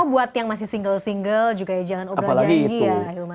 buat yang masih single single juga ya jangan obrol janji ya ahilman